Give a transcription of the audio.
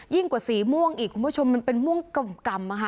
กว่าสีม่วงอีกคุณผู้ชมมันเป็นม่วงกำนะคะ